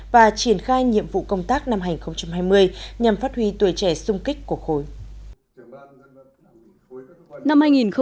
và triển khai nhiệm vụ công tác năm hai nghìn hai mươi nhằm phát huy tuổi trẻ sung kích của khối